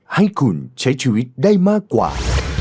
ให้คุณใช้ชีวิตได้มากกว่า